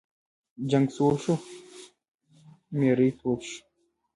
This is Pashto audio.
جنګ سوړ شو، میری تود شو.